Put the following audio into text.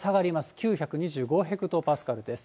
９２５ヘクトパスカルです。